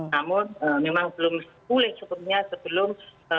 namun memang belum pulih cukupnya sebelum